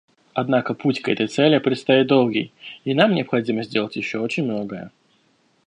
Однако путь к этой цели предстоит долгий, и нам необходимо сделать еще очень многое.